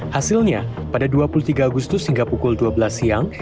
hasilnya pada dua puluh tiga agustus hingga pukul dua belas siang